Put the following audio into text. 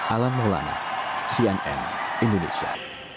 alan maulana cnm indonesia